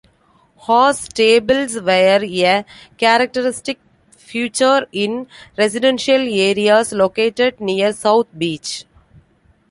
Horse stables were a characteristic feature in residential areas located near South Beach.